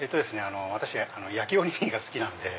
私焼きおにぎりが好きなんで。